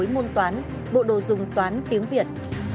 cối môn toán bộ đồ dùng toán tiếng việt